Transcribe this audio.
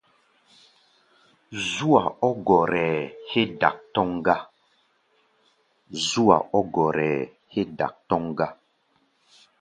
Zú-a ɔ́ ŋgɔrɛɛ héé dak tɔ́ŋ gá.